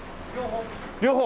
両方。